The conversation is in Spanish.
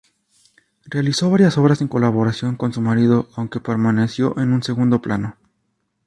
Realizó varias obras en colaboración con su marido, aunque permaneció en un segundo plano.